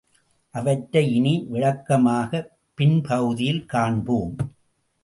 அவற்றை இனி விளக்கமாகப் பின்பகுதியில் காண்போம்.